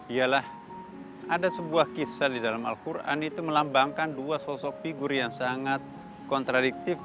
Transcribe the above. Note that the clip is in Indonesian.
ialah ada sebuah kisah di dalam al quran itu melambangkan dua sosok figur yang sangat kontradiktif